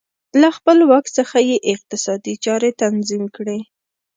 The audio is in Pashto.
له خپل واک څخه یې اقتصادي چارې تنظیم کړې